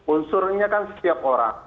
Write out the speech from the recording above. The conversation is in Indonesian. unsurnya kan setiap orang